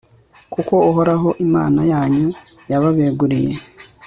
kuko uhoraho, imana yanyu, yababeguriye